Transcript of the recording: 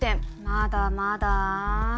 まだまだ。